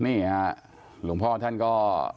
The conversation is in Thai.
นี่ฮะหลวงพ่อท่านก็